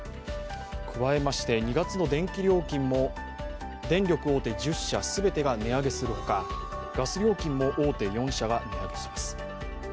加えまして２月の電気料金も電力大手１０社すべてが値上げするほかガス料金も大手４社が値上げします。